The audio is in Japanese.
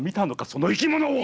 その生き物を！